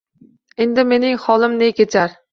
Endi mening holim ne kechar?..